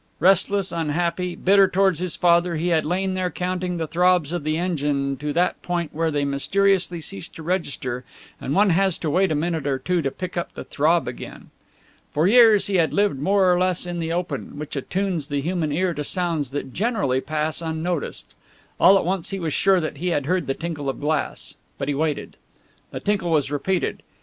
Restless, unhappy, bitter toward his father, he had lain there counting the throbs of the engine to that point where they mysteriously cease to register and one has to wait a minute or two to pick up the throb again. For years he had lived more or less in the open, which attunes the human ear to sounds that generally pass unnoticed. All at once he was sure that he had heard the tinkle of glass, but he waited. The tinkle was repeated.